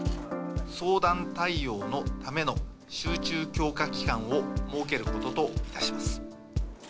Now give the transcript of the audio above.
相談対応のための集中強化期間を設けることといたします。